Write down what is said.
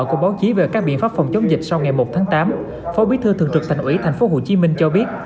tại buổi họp của báo chí về các biện pháp phòng chống dịch sau ngày một tháng tám phó bí thư thường trực thành ủy tp hcm cho biết